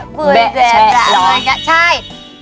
เบะแชะร้อน